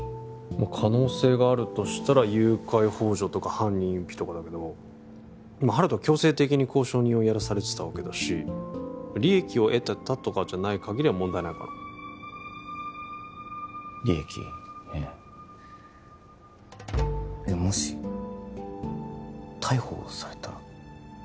可能性があるとしたら誘拐ほう助とか犯人隠避とかだけど温人は強制的に交渉人をやらされてたわけだし利益を得てたとかじゃないかぎりは問題ないかな利益ねもし逮捕されたら？